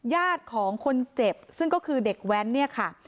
ญาติของคนเจ็บซึ่งก็คือเด็กแว้นเนี่ยค่ะ